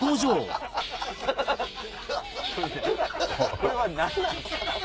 これは何なんですか？